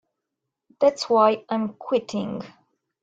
That's why I'm quitting.